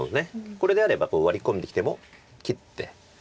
これであればワリ込んできても切って。